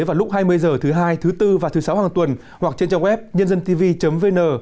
vào lúc hai mươi h thứ hai thứ bốn và thứ sáu hàng tuần hoặc trên trang web nhândântv vn